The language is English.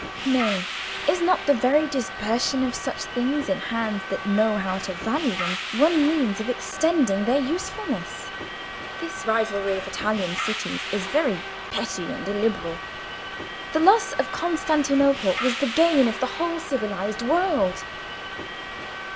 Nay, is not the very dispersion of such things in hands that know how to value them, one means of extending their usefulness? This rivalry of Italian cities is very petty and illiberal. The loss of Constantinople was the gain of the whole civilised world."